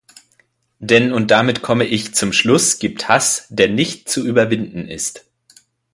Denn und damit komme ich zum Schluss gibt Hass, der nicht zu überwinden ist.